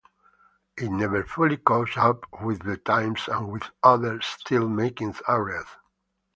It never fully caught up with the times and with other steel making areas.